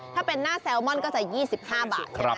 ถ้าเป็นหน้าแซลมอนก็จะ๒๕บาทใช่ไหม